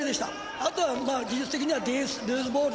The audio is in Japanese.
あとは技術的にはルーズボール